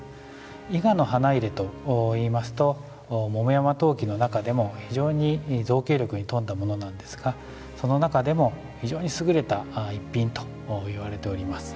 伊賀花入と言いますと桃山陶器のなかでも非常に造形力にとんだものなんですがそのなかでも非常に優れた逸品といわれております。